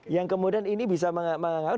yang kemudian ini bisa mengatur